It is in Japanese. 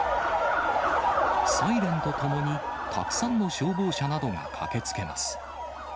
サイレンとともに、たくさんの消防車などが駆けつけます。